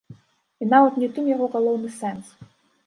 І нават не ў тым яго галоўны сэнс.